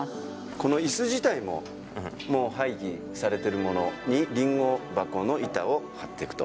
このいす自体ももう廃棄されているものにりんご箱の板を貼っていくと。